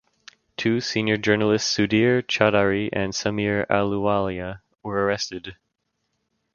Two senior journalists Sudhir Chaudhary and Sameer Ahluwalia were arrested.